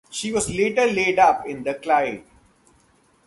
She was later laid up in the Clyde.